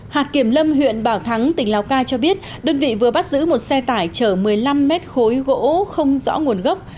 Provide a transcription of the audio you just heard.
hạt kiểm lâm huyện bảo thắng tỉnh lào cai cho biết đơn vị vừa bắt giữ một xe tải chở một mươi năm mét khối gỗ không rõ nguồn gốc